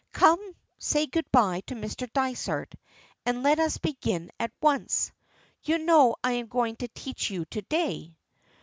Come, say good bye to Mr. Dysart, and let us begin at once. You know I am going to teach you to day.